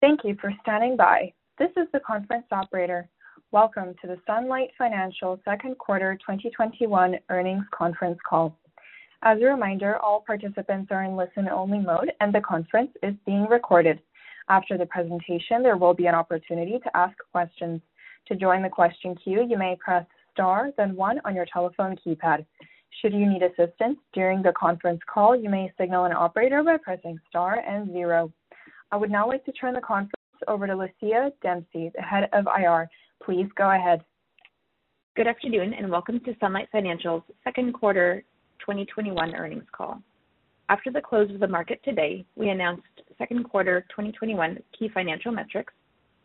Thank you for standing by. This is the conference operator. Welcome to the Sunlight Financial second quarter 2021 earnings conference call. As a reminder, all participants are in listen-only mode, and the conference is being recorded. After the presentation, there will be an opportunity to ask questions. To join the question queue, you may press star then one on your telephone keypad. Should you need assistance during the conference call, you may signal an operator by pressing star and zero. I would now like to turn the conference over to Lucia Dempsey, the Head of IR. Please go ahead. Good afternoon, and welcome to Sunlight Financial's second quarter 2021 earnings call. After the close of the market today, we announced second quarter 2021 key financial metrics,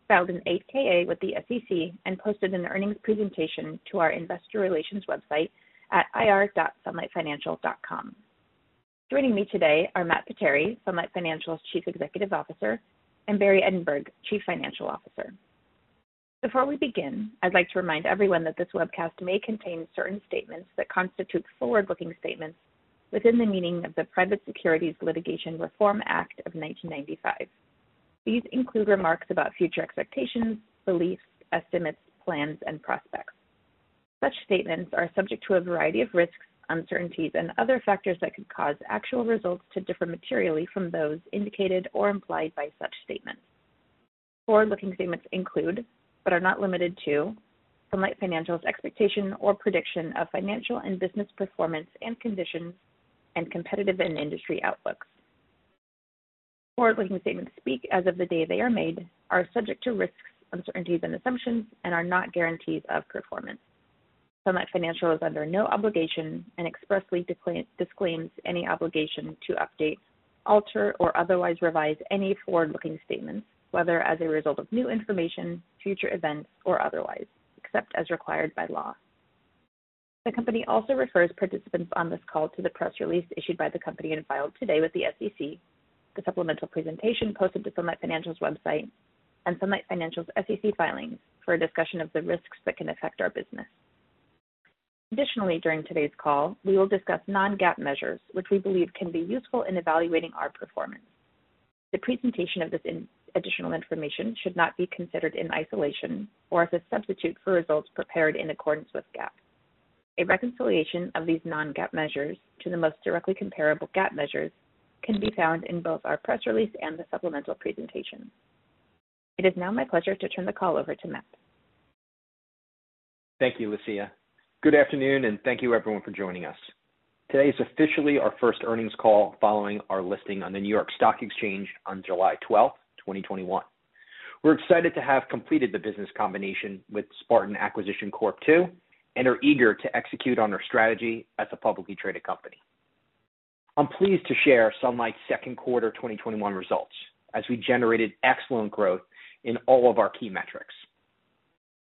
filed an 8-K with the SEC, and posted an earnings presentation to our investor relations website at ir.sunlightfinancial.com. Joining me today are Matt Potere, Sunlight Financial's Chief Executive Officer, and Barry Edinburg, Chief Financial Officer. Before we begin, I'd like to remind everyone that this webcast may contain certain statements that constitute forward-looking statements within the meaning of the Private Securities Litigation Reform Act of 1995. These include remarks about future expectations, beliefs, estimates, plans, and prospects. Such statements are subject to a variety of risks, uncertainties, and other factors that could cause actual results to differ materially from those indicated or implied by such statements. Forward-looking statements include, but are not limited to, Sunlight Financial's expectation or prediction of financial and business performance and conditions, and competitive and industry outlooks. Forward-looking statements speak as of the day they are made, are subject to risks, uncertainties, and assumptions, and are not guarantees of performance. Sunlight Financial is under no obligation and expressly disclaims any obligation to update, alter, or otherwise revise any forward-looking statements, whether as a result of new information, future events, or otherwise, except as required by law. The company also refers participants on this call to the press release issued by the company and filed today with the SEC, the supplemental presentation posted to Sunlight Financial's website, and Sunlight Financial's SEC filings for a discussion of the risks that can affect our business. During today's call, we will discuss non-GAAP measures, which we believe can be useful in evaluating our performance. The presentation of this additional information should not be considered in isolation or as a substitute for results prepared in accordance with GAAP. A reconciliation of these non-GAAP measures to the most directly comparable GAAP measures can be found in both our press release and the supplemental presentation. It is now my pleasure to turn the call over to Matt. Thank you, Lucia. Good afternoon, thank you, everyone, for joining us. Today is officially our first earnings call following our listing on the New York Stock Exchange on July 12th, 2021. We're excited to have completed the business combination with Spartan Acquisition Corp. II, and are eager to execute on our strategy as a publicly traded company. I'm pleased to share Sunlight's second quarter 2021 results as we generated excellent growth in all of our key metrics.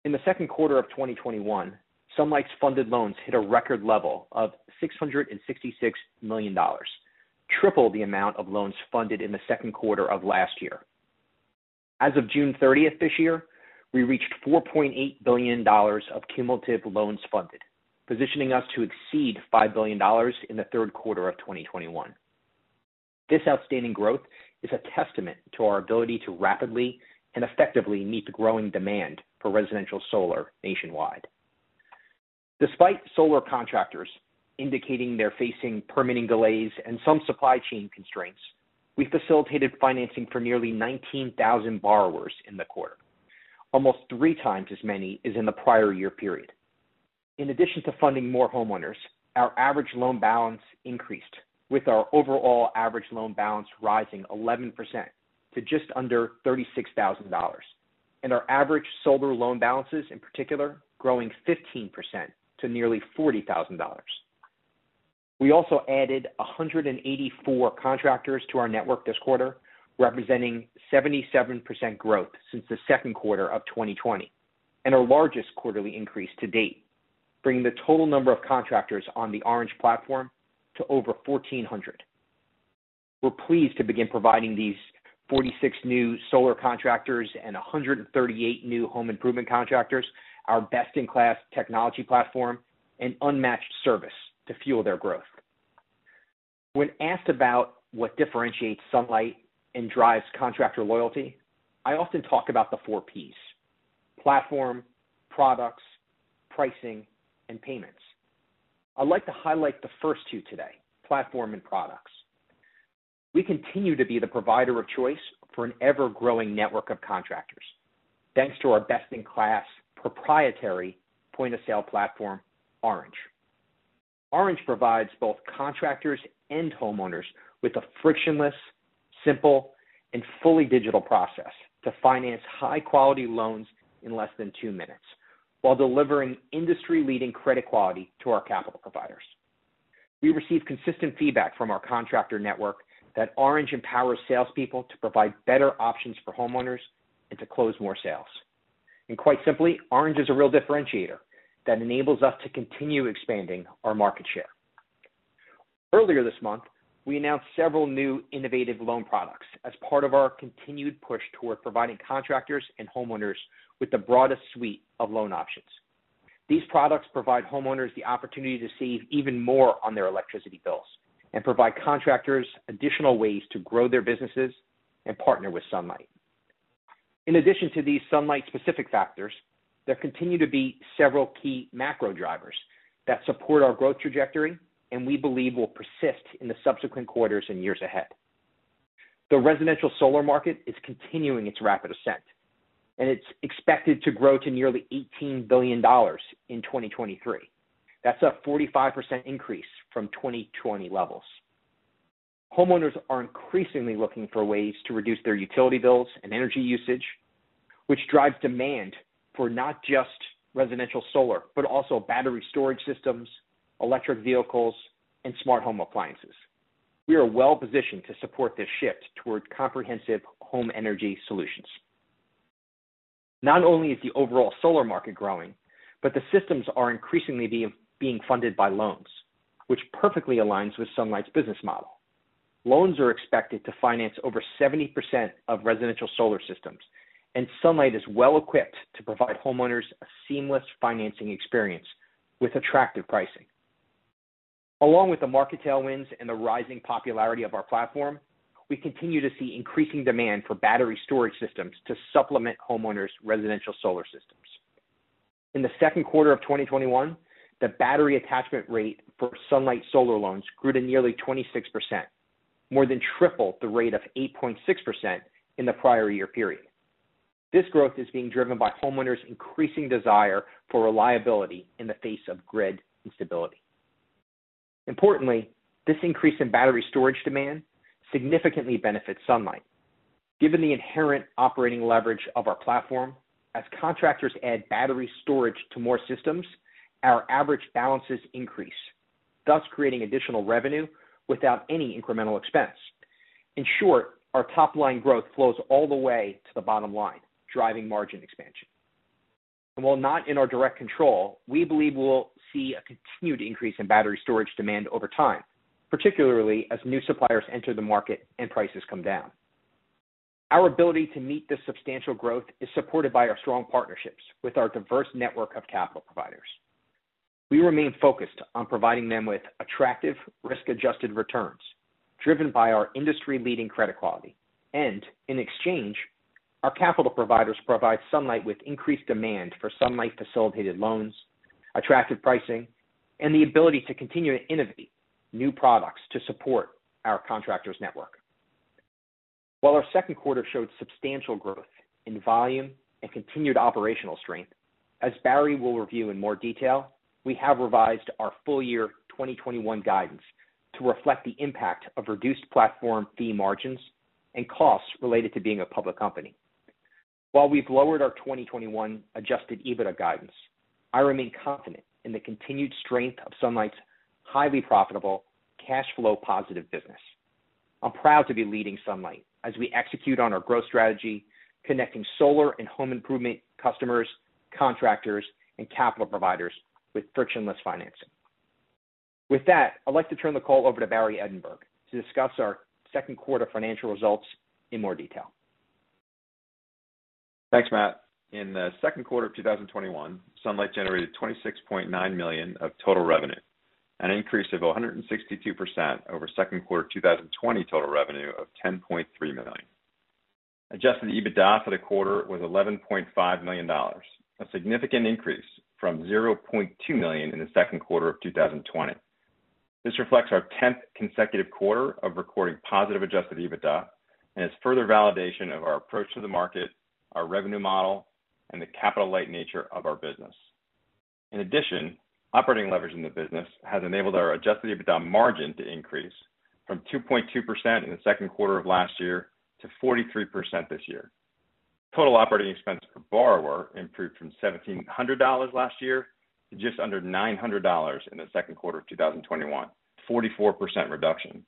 In the second quarter of 2021, Sunlight's funded loans hit a record level of $666 million, triple the amount of loans funded in the second quarter of last year. As of June 30th this year, we reached $4.8 billion of cumulative loans funded, positioning us to exceed $5 billion in the third quarter of 2021. This outstanding growth is a testament to our ability to rapidly and effectively meet the growing demand for residential solar nationwide. Despite solar contractors indicating they're facing permitting delays and some supply chain constraints, we facilitated financing for nearly 19,000 borrowers in the quarter, almost three times as many as in the prior year period. In addition to funding more homeowners, our average loan balance increased, with our overall average loan balance rising 11% to just under $36,000, and our average solar loan balances, in particular, growing 15% to nearly $40,000. We also added 184 contractors to our network this quarter, representing 77% growth since the second quarter of 2020 and our largest quarterly increase to date, bringing the total number of contractors on the Orange platform to over 1,400. We're pleased to begin providing these 46 new solar contractors and 138 new home improvement contractors our best-in-class technology platform and unmatched service to fuel their growth. When asked about what differentiates Sunlight and drives contractor loyalty, I often talk about the 4Ps, platform, products, pricing, and payments. I'd like to highlight the first two today, platform and products. We continue to be the provider of choice for an ever-growing network of contractors, thanks to our best-in-class proprietary point-of-sale platform, Orange. Orange provides both contractors and homeowners with a frictionless, simple, and fully digital process to finance high-quality loans in less than two minutes while delivering industry-leading credit quality to our capital providers. We receive consistent feedback from our contractor network that Orange empowers salespeople to provide better options for homeowners and to close more sales. Quite simply, Orange is a real differentiator that enables us to continue expanding our market share. Earlier this month, we announced several new innovative loan products as part of our continued push toward providing contractors and homeowners with the broadest suite of loan options. These products provide homeowners the opportunity to save even more on their electricity bills and provide contractors additional ways to grow their businesses and partner with Sunlight. In addition to these Sunlight-specific factors, there continue to be several key macro drivers that support our growth trajectory and we believe will persist in the subsequent quarters and years ahead. The residential solar market is continuing its rapid ascent, and it's expected to grow to nearly $18 billion in 2023. That's a 45% increase from 2020 levels. Homeowners are increasingly looking for ways to reduce their utility bills and energy usage, which drives demand for not just residential solar, but also battery storage systems, electric vehicles, and smart home appliances. We are well-positioned to support this shift toward comprehensive home energy solutions. Not only is the overall solar market growing, but the systems are increasingly being funded by loans, which perfectly aligns with Sunlight's business model. Loans are expected to finance over 70% of residential solar systems, and Sunlight is well-equipped to provide homeowners a seamless financing experience with attractive pricing. Along with the market tailwinds and the rising popularity of our platform, we continue to see increasing demand for battery storage systems to supplement homeowners' residential solar systems. In the second quarter of 2021, the battery attachment rate for Sunlight solar loans grew to nearly 26%, more than triple the rate of 8.6% in the prior year period. This growth is being driven by homeowners' increasing desire for reliability in the face of grid instability. Importantly, this increase in battery storage demand significantly benefits Sunlight. Given the inherent operating leverage of our platform, as contractors add battery storage to more systems, our average balances increase, thus creating additional revenue without any incremental expense. In short, our top-line growth flows all the way to the bottom line, driving margin expansion. While not in our direct control, we believe we'll see a continued increase in battery storage demand over time, particularly as new suppliers enter the market and prices come down. Our ability to meet this substantial growth is supported by our strong partnerships with our diverse network of capital providers. We remain focused on providing them with attractive risk-adjusted returns driven by our industry-leading credit quality. In exchange, our capital providers provide Sunlight with increased demand for Sunlight-facilitated loans, attractive pricing, and the ability to continue to innovate new products to support our contractors' network. Our second quarter showed substantial growth in volume and continued operational strength, as Barry will review in more detail, we have revised our full year 2021 guidance to reflect the impact of reduced platform fee margins and costs related to being a public company. We've lowered our 2021 Adjusted EBITDA guidance, I remain confident in the continued strength of Sunlight's highly profitable, cash flow positive business. I'm proud to be leading Sunlight as we execute on our growth strategy, connecting solar and home improvement customers, contractors, and capital providers with frictionless financing. With that, I'd like to turn the call over to Barry Edinburg to discuss our second quarter financial results in more detail. Thanks, Matt. In the second quarter of 2021, Sunlight generated $26.9 million of total revenue, an increase of 162% over second quarter 2020 total revenue of $10.3 million. Adjusted EBITDA for the quarter was $11.5 million, a significant increase from $0.2 million in the second quarter of 2020. This reflects our 10th consecutive quarter of recording positive Adjusted EBITDA and is further validation of our approach to the market, our revenue model, and the capital-light nature of our business. In addition, operating leverage in the business has enabled our Adjusted EBITDA margin to increase from 2.2% in the second quarter of last year to 43% this year. Total operating expense per borrower improved from $1,700 last year to just under $900 in the second quarter of 2021, a 44% reduction.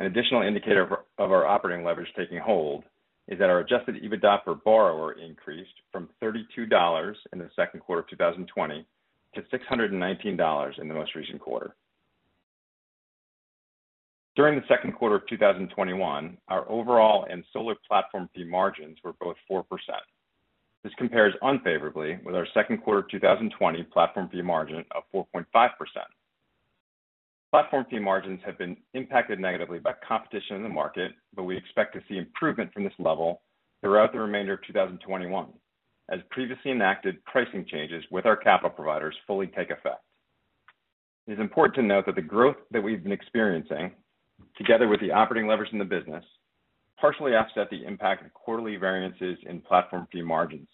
An additional indicator of our operating leverage taking hold is that our Adjusted EBITDA per borrower increased from $32 in the second quarter of 2020 to $619 in the most recent quarter. During the second quarter of 2021, our overall and solar platform fee margins were both 4%. This compares unfavorably with our second quarter 2020 platform fee margin of 4.5%. Platform fee margins have been impacted negatively by competition in the market, but we expect to see improvement from this level throughout the remainder of 2021, as previously enacted pricing changes with our capital providers fully take effect. It is important to note that the growth that we've been experiencing, together with the operating leverage in the business, partially offset the impact of quarterly variances in platform fee margins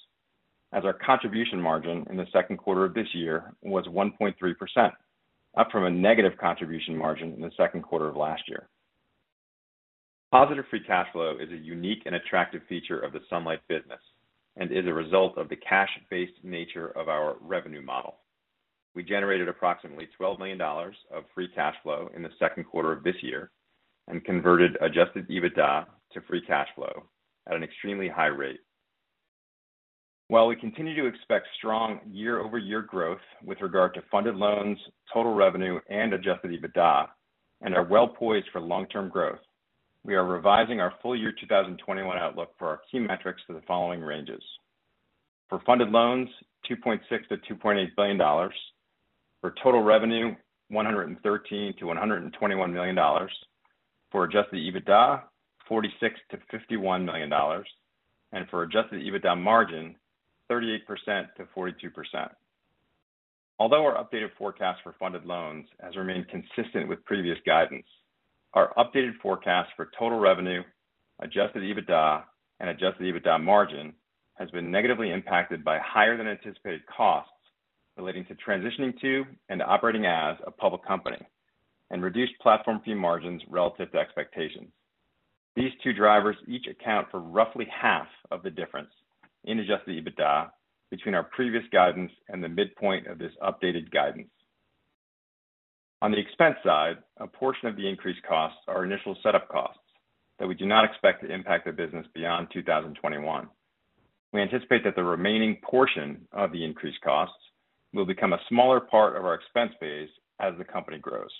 as our contribution margin in the second quarter of this year was 1.3%, up from a negative contribution margin in the second quarter of last year. Positive free cash flow is a unique and attractive feature of the Sunlight business and is a result of the cash-based nature of our revenue model. We generated approximately $12 million of free cash flow in the second quarter of this year and converted Adjusted EBITDA to free cash flow at an extremely high rate. While we continue to expect strong year-over-year growth with regard to funded loans, total revenue, and Adjusted EBITDA and are well-poised for long-term growth. We are revising our full year 2021 outlook for our key metrics for the following ranges. For funded loans, $2.6 billion-$2.8 billion. For total revenue, $113 million-$121 million. For Adjusted EBITDA, $46 million-$51 million. For Adjusted EBITDA margin, 38%-42%. Although our updated forecast for funded loans has remained consistent with previous guidance, our updated forecast for total revenue, Adjusted EBITDA, and Adjusted EBITDA margin has been negatively impacted by higher than anticipated costs relating to transitioning to and operating as a public company, and reduced platform fee margins relative to expectations. These two drivers each account for roughly half of the difference in Adjusted EBITDA between our previous guidance and the midpoint of this updated guidance. On the expense side, a portion of the increased costs are initial setup costs that we do not expect to impact the business beyond 2021. We anticipate that the remaining portion of the increased costs will become a smaller part of our expense base as the company grows.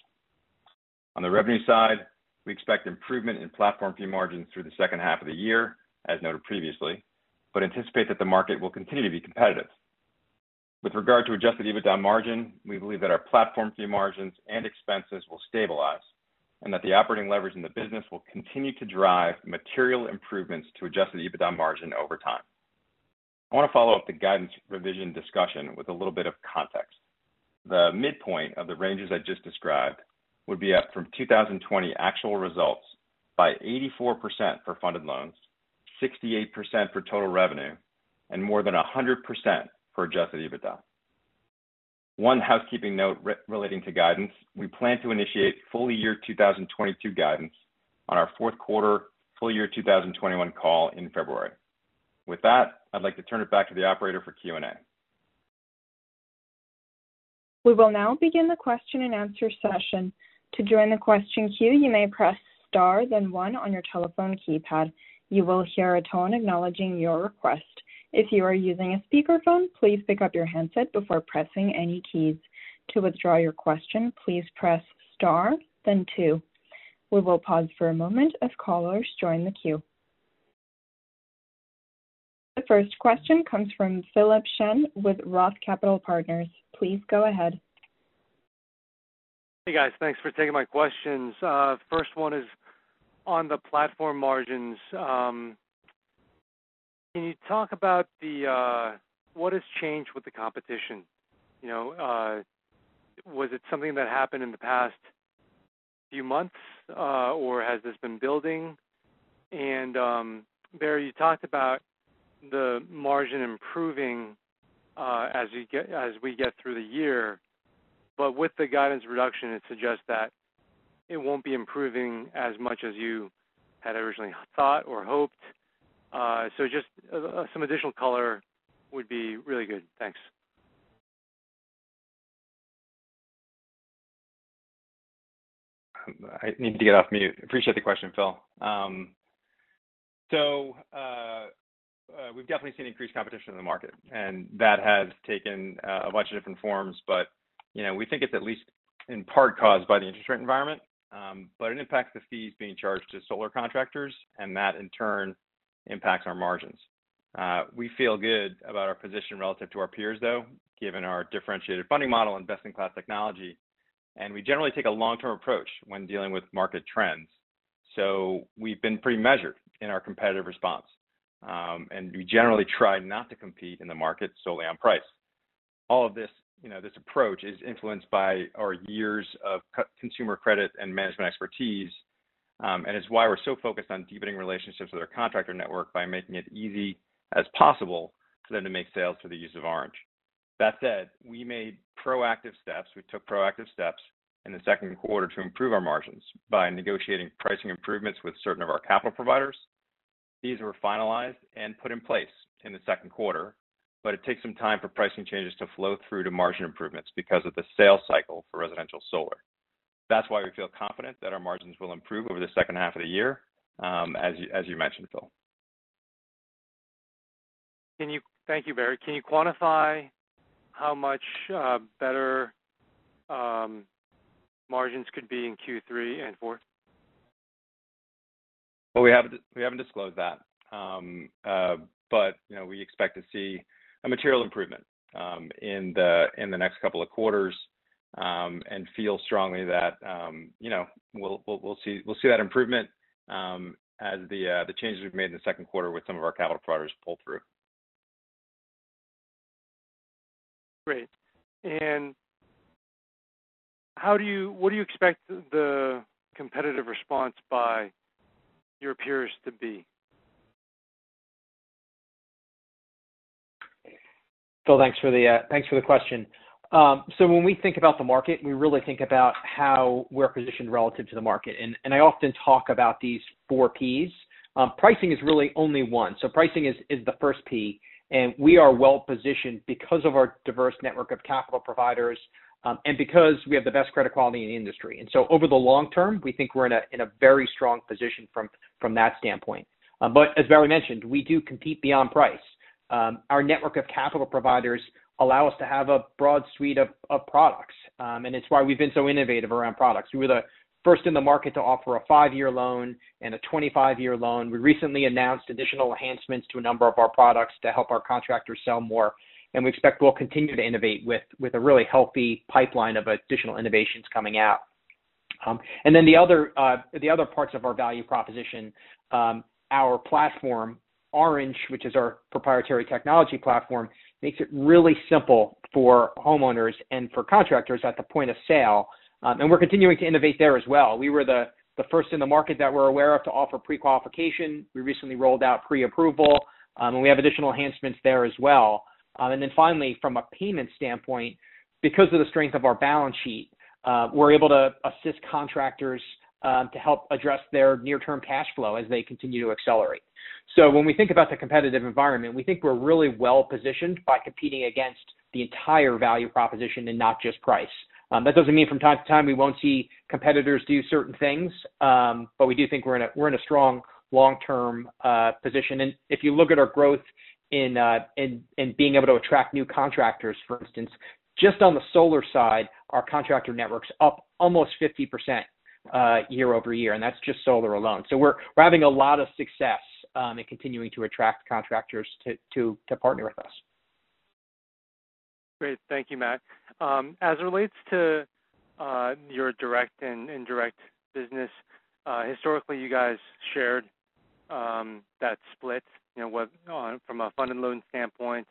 On the revenue side, we expect improvement in platform fee margins through the second half of the year, as noted previously, but anticipate that the market will continue to be competitive. With regard to Adjusted EBITDA margin, we believe that our platform fee margins and expenses will stabilize, and that the operating leverage in the business will continue to drive material improvements to Adjusted EBITDA margin over time. I want to follow up the guidance revision discussion with a little bit of context. The midpoint of the ranges I just described would be up from 2020 actual results by 84% for funded loans, 68% for total revenue, and more than 100% for Adjusted EBITDA. One housekeeping note relating to guidance, we plan to initiate full year 2022 guidance on our fourth quarter full year 2021 call in February. With that, I'd like to turn it back to the operator for Q&A. The first question comes from Philip Shen with Roth Capital Partners. Please go ahead. Hey, guys. Thanks for taking my questions. First one is on the platform margins. Can you talk about what has changed with the competition? Was it something that happened in the past few months, or has this been building? Barry, you talked about the margin improving as we get through the year. With the guidance reduction, it suggests that it won't be improving as much as you had originally thought or hoped. Just some additional color would be really good. Thanks. I need to get off mute. Appreciate the question, Phil. We've definitely seen increased competition in the market, and that has taken a bunch of different forms, but we think it's at least in part caused by the interest rate environment. It impacts the fees being charged to solar contractors, and that in turn impacts our margins. We feel good about our position relative to our peers, though, given our differentiated funding model and best-in-class technology. We generally take a long-term approach when dealing with market trends. We've been pretty measured in our competitive response, and we generally try not to compete in the market solely on price. All of this approach is influenced by our years of consumer credit and management expertise, and it's why we're so focused on deepening relationships with our contractor network by making it easy as possible for them to make sales for the use of Orange. That said, we took proactive steps in the second quarter to improve our margins by negotiating pricing improvements with certain of our capital providers. These were finalized and put in place in the second quarter, but it takes some time for pricing changes to flow through to margin improvements because of the sales cycle for residential solar. That's why we feel confident that our margins will improve over the second half of the year, as you mentioned, Phil. Thank you, Barry. Can you quantify how much better margins could be in Q3 and Q4? Well, we haven't disclosed that. We expect to see a material improvement in the next couple of quarters, and feel strongly that we'll see that improvement as the changes we've made in the second quarter with some of our capital partners pull through. Great. What do you expect the competitive response by your peers to be? Philip, thanks for the question. When we think about the market, we really think about how we're positioned relative to the market. I often talk about these four Ps. Pricing is really only one. Pricing is the first P, and we are well positioned because of our diverse network of capital providers, and because we have the best credit quality in the industry. Over the long term, we think we're in a very strong position from that standpoint. As Barry mentioned, we do compete beyond price. Our network of capital providers allow us to have a broad suite of products, and it's why we've been so innovative around products. We were the first in the market to offer a five-year loan and a 25-year loan. We recently announced additional enhancements to a number of our products to help our contractors sell more, we expect we'll continue to innovate with a really healthy pipeline of additional innovations coming out. The other parts of our value proposition, our platform, Orange, which is our proprietary technology platform, makes it really simple for homeowners and for contractors at the point of sale. We're continuing to innovate there as well. We were the first in the market that we're aware of to offer pre-qualification. We recently rolled out pre-approval. We have additional enhancements there as well. Finally, from a payment standpoint, because of the strength of our balance sheet, we're able to assist contractors to help address their near-term cash flow as they continue to accelerate. When we think about the competitive environment, we think we're really well-positioned by competing against the entire value proposition and not just price. That doesn't mean from time to time we won't see competitors do certain things, but we do think we're in a strong long-term position. If you look at our growth in being able to attract new contractors, for instance, just on the solar side, our contractor network's up almost 50% year-over-year, and that's just solar alone. We're having a lot of success in continuing to attract contractors to partner with us. Great. Thank you, Matt. As it relates to your direct and indirect business, historically you guys shared that split from a fund and loan standpoint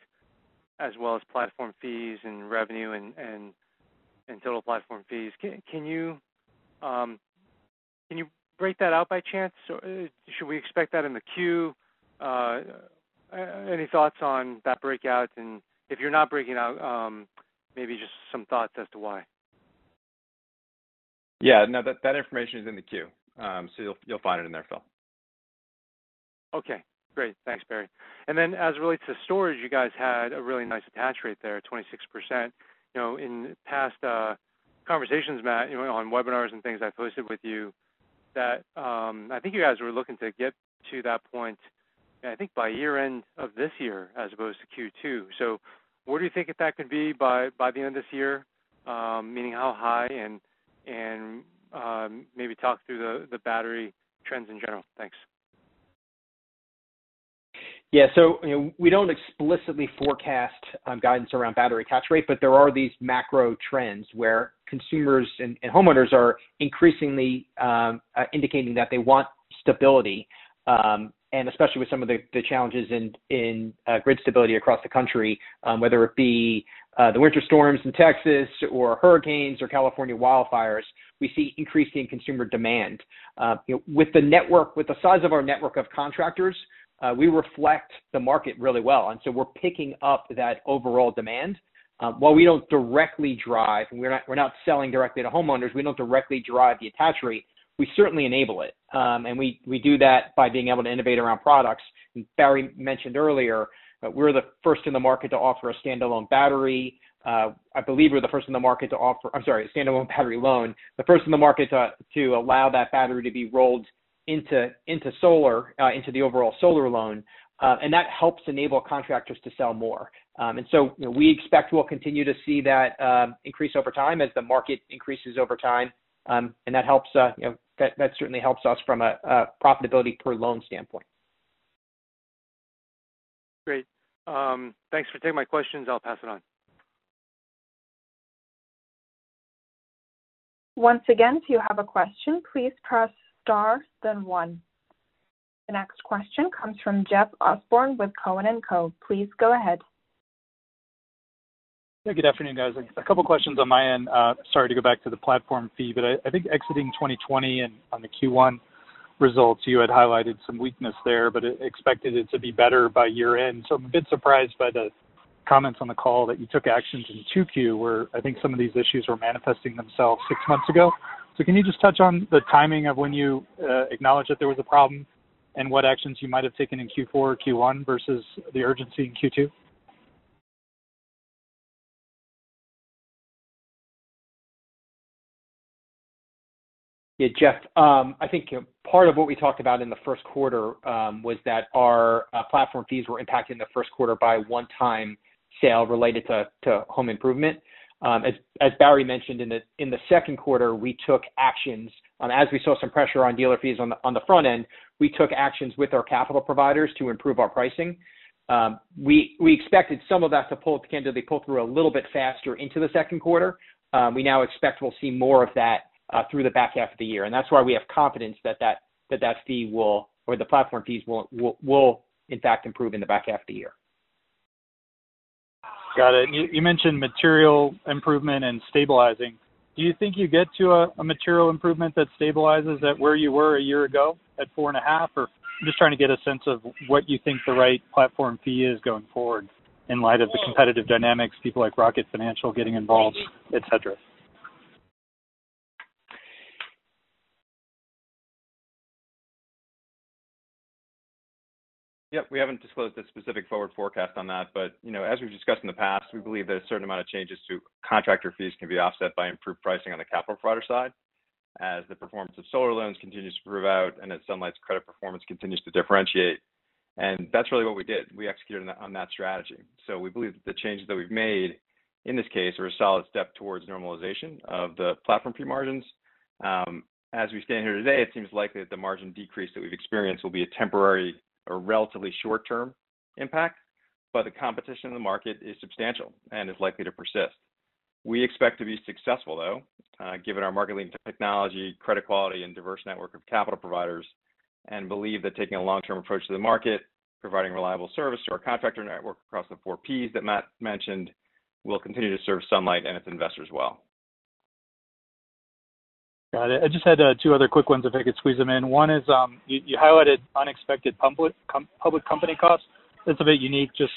as well as platform fees and revenue and total platform fees. Can you break that out by chance? Should we expect that in the Q? Any thoughts on that breakout, and if you're not breaking out, maybe just some thoughts as to why. Yeah, no, that information is in the Q, so you'll find it in there, Phil. Okay, great. Thanks, Barry. As it relates to storage, you guys had a really nice attach rate there at 26%. In past conversations, Matt, on webinars and things I've hosted with you that I think you guys were looking to get to that point, and I think by year-end of this year as opposed to Q2. Where do you think that could be by the end of this year? Meaning how high and maybe talk through the battery trends in general. Thanks. We don't explicitly forecast guidance around battery attach rate, but there are these macro trends where consumers and homeowners are increasingly indicating that they want stability. Especially with some of the challenges in grid stability across the country, whether it be the winter storms in Texas or hurricanes or California wildfires, we see increasing consumer demand. With the size of our network of contractors, we reflect the market really well, we're picking up that overall demand. While we don't directly drive, and we're not selling directly to homeowners, we don't directly drive the attach rate. We certainly enable it. We do that by being able to innovate around products. Barry mentioned earlier that we're the first in the market to offer a standalone battery. I'm sorry, standalone battery loan. The first in the market to allow that battery to be rolled into the overall solar loan. That helps enable contractors to sell more. We expect we'll continue to see that increase over time as the market increases over time. That certainly helps us from a profitability per loan standpoint. Great. Thanks for taking my questions. I'll pass it on. Once again, if you have a question, please press star then one. The next question comes from Jeff Osborne with Cowen and Company. Please go ahead. Yeah, good afternoon, guys. A couple questions on my end. Sorry to go back to the platform fee, I think exiting 2020 and on the Q1 results, you had highlighted some weakness there, expected it to be better by year-end. I'm a bit surprised by the comments on the call that you took actions in 2Q, where I think some of these issues were manifesting themselves six months ago. What actions you might have taken in Q4 or Q1 versus the urgency in Q2? Jeff. I think part of what we talked about in the first quarter, was that our platform fees were impacted in the first quarter by a one-time sale related to home improvement. As Barry mentioned, in the second quarter, we took actions, and as we saw some pressure on dealer fees on the front end, we took actions with our capital providers to improve our pricing. We expected some of that to pull through a little bit faster into the second quarter. We now expect we'll see more of that through the back half of the year, and that's why we have confidence that the platform fees will in fact improve in the back half of the year. Got it. You mentioned material improvement and stabilizing. Do you think you get to a material improvement that stabilizes at where you were a year ago at four and a half? I'm just trying to get a sense of what you think the right platform fee is going forward in light of the competitive dynamics, people like Rocket Financial getting involved, et cetera. Yeah. We haven't disclosed a specific forward forecast on that, but as we've discussed in the past, we believe that a certain amount of changes to contractor fees can be offset by improved pricing on the capital provider side. As the performance of solar loans continues to prove out and as Sunlight Financial's credit performance continues to differentiate. That's really what we did. We executed on that strategy. We believe that the changes that we've made in this case are a solid step towards normalization of the platform fee margins. As we stand here today, it seems likely that the margin decrease that we've experienced will be a temporary or relatively short-term impact, but the competition in the market is substantial and is likely to persist. We expect to be successful, though, given our market-leading technology, credit quality, and diverse network of capital providers, and believe that taking a long-term approach to the market, providing reliable service to our contractor network across the four Ps that Matt mentioned, will continue to serve Sunlight Financial and its investors well. Got it. I just had two other quick ones if I could squeeze them in. One is you highlighted unexpected public company costs. That's a bit unique, just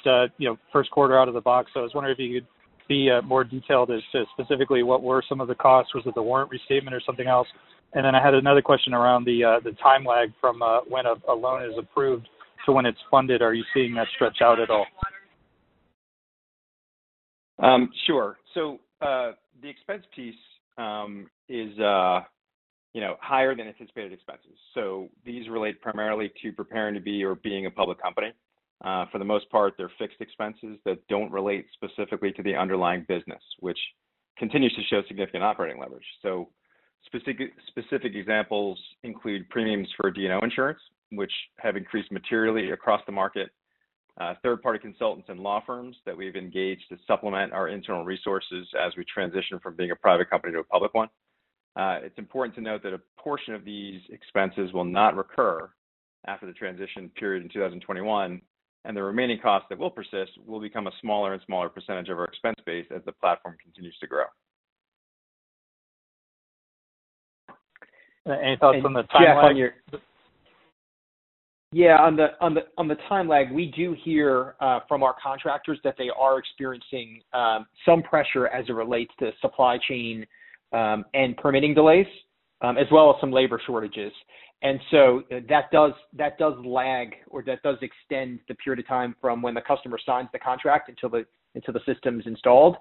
first quarter out of the box. I was wondering if you could be more detailed as to specifically what were some of the costs. Was it the warrant restatement or something else? I had another question around the time lag from when a loan is approved to when it's funded. Are you seeing that stretch out at all? Sure. The expense piece is higher than anticipated expenses. These relate primarily to preparing to be or being a public company. For the most part, they're fixed expenses that don't relate specifically to the underlying business, which continues to show significant operating leverage. Specific examples include premiums for D&O insurance, which have increased materially across the market, third-party consultants and law firms that we've engaged to supplement our internal resources as we transition from being a private company to a public one. It's important to note that a portion of these expenses will not recur after the transition period in 2021, and the remaining costs that will persist will become a smaller and smaller percentage of our expense base as the platform continues to grow. Any thoughts on the time lag? Yeah, on the time lag, we do hear from our contractors that they are experiencing some pressure as it relates to supply chain and permitting delays, as well as some labor shortages. That does lag, or that does extend the period of time from when the customer signs the contract until the system's installed.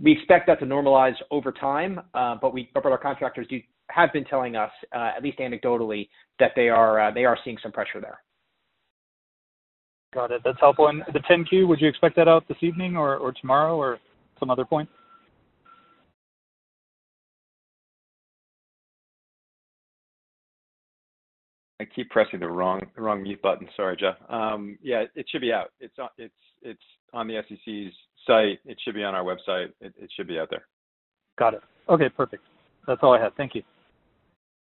We expect that to normalize over time. Our contractors have been telling us, at least anecdotally, that they are seeing some pressure there. Got it. That's helpful. The 10-Q, would you expect that out this evening or tomorrow or some other point? I keep pressing the wrong mute button. Sorry, Jeff. Yeah, it should be out. It's on the SEC's site. It should be on our website. It should be out there. Got it. Okay, perfect. That's all I have. Thank you.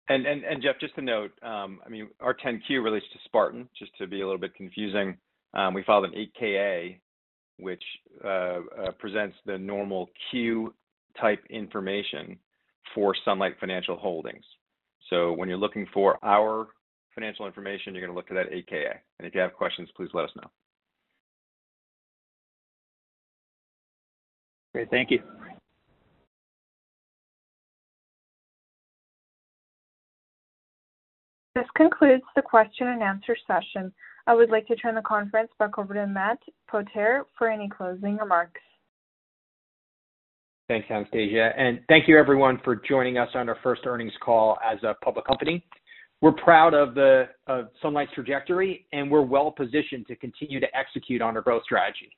Jeff, just to note, our 10-Q relates to Spartan, just to be a little bit confusing. We filed an 8-K/A, which presents the normal Q-type information for Sunlight Financial Holdings. When you're looking for our financial information, you're going to look at that 8-K/A. If you have questions, please let us know. Okay, thank you. This concludes the question and answer session. I would like to turn the conference back over to Matt Potere for any closing remarks. Thanks, Anastasia. Thank you everyone for joining us on our first earnings call as a public company. We're proud of Sunlight's trajectory, and we're well-positioned to continue to execute on our growth strategy.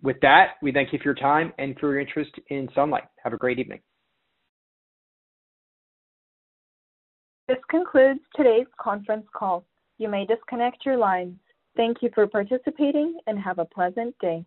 With that, we thank you for your time and for your interest in Sunlight. Have a great evening. This concludes today's conference call. You may disconnect your lines. Thank you for participating, and have a pleasant day.